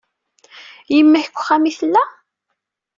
Yemma-k deg uxxam ay tella?